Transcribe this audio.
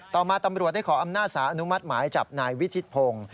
ต่อมาตำรวจได้ขออำนาจสารอนุมัติหมายจับนายวิชิตพงศ์